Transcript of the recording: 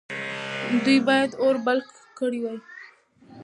دوی باید اور بل کړی وای.